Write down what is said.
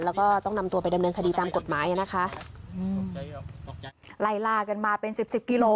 แล้วก็ต้องนำตัวไปดำเนินคดีตามกฎหมายอ่ะนะคะอืมไล่ล่ากันมาเป็นสิบสิบกิโล